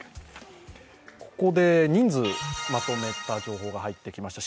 ここで人数まとめた情報が入ってきました。